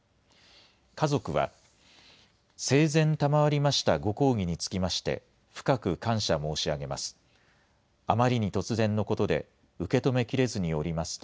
家族は、生前賜りましたご厚誼につきまして、深く感謝申し上げます。